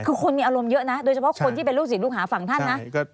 คือคนมีอารมณ์เยอะนะโดยเฉพาะคนที่เป็นลูกศิษย์ลูกหาฝั่งท่านนะ